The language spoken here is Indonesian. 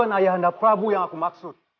ayah anda prabu yang aku maksud